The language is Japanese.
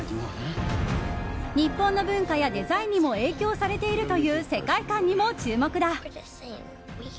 日本の文化やデザインにも影響されているという世界観にも注目だ。